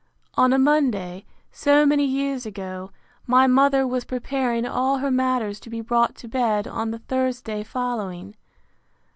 On a Monday, so many years ago, my mother was preparing all her matters to be brought to bed on the Thursday following.